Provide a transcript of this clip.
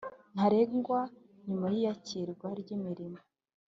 Ntarengwa nyuma y iyakirwa ry imirimo